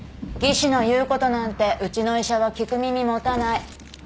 技師の言うことなんてうちの医者は聞く耳持たない。